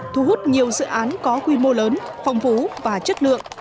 thu hút nhiều dự án có quy mô lớn phong phú và chất lượng